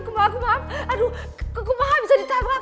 kuma kuma aduh kumahan bisa di tabag